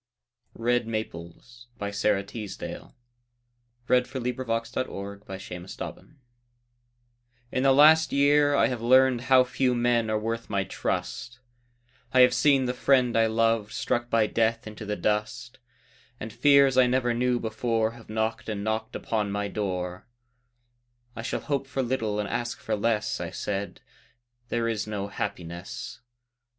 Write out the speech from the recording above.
eep me from the peace of those Who are not lonely, having died. Red Maples In the last year I have learned How few men are worth my trust; I have seen the friend I loved Struck by death into the dust, And fears I never knew before Have knocked and knocked upon my door "I shall hope little and ask for less," I said, "There is no happiness."